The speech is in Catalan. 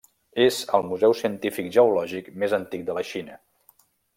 És el museu científic geològic més antic de la Xina.